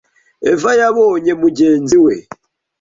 eva yabonye mugenzi we